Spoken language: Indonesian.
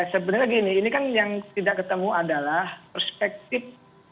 sebenarnya gini ini kan yang tidak ketemu adalah perspektif